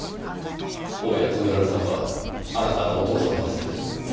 大屋嗣治さんはあなたのお父様ですね？